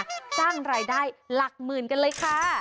ก็สร้างรายได้หลักหมื่นกันเลยค่ะ